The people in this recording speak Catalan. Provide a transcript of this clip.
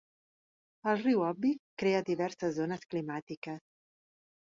El riu Obi creua diverses zones climàtiques.